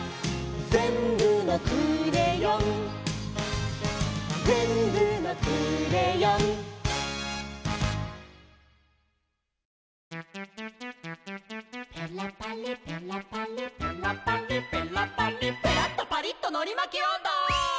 「ぜんぶのクレヨン」「ぜんぶのクレヨン」「ペラパリペラパリペラパリペラパリ」「ペラっとパリっとのりまきおんど！」